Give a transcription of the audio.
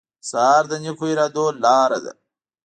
سهار د نیکو ارادو لاره ده.